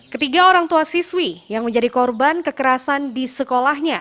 ketiga orang tua siswi yang menjadi korban kekerasan di sekolahnya